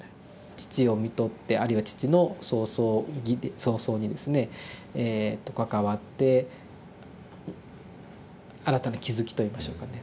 父をみとってあるいは父の葬送儀葬送儀ですね関わって新たな気付きといいましょうかね。